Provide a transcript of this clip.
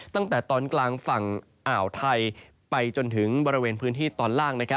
ตั้งแต่ตอนกลางฝั่งอ่าวไทยไปจนถึงบริเวณพื้นที่ตอนล่าง